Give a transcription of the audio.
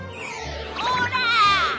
ほら！